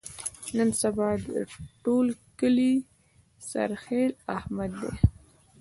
نن سبا د ټول کلي سرخیل احمد دی.